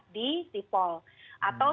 di sipol atau